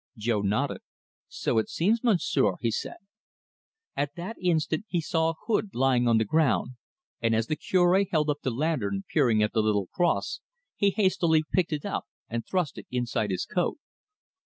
Jo nodded. "So it seems, Monsieur," he said. At that instant he saw a hood lying on the ground, and as the Cure held up the lantern, peering at the little cross, he hastily picked it up and thrust it inside his coat.